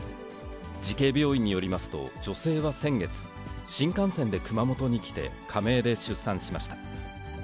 慈恵病院によりますと、女性は先月、新幹線で熊本に来て、仮名で出産しました。